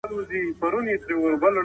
د مارانو په جامه